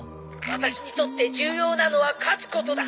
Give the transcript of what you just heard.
「ワタシにとって重要なのは勝つことだ」